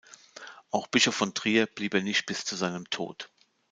Auch Bischof von Trier blieb er nicht bis zu seinem Tod.